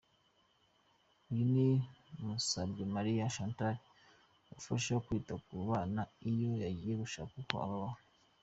Uyu ni Musabyemariye Chantal umufasha kwita ku bana iyo yagiye gushaka uko babaho.